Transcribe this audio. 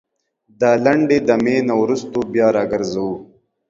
دا لنډې دمي نه وروسته بيا راګرځوو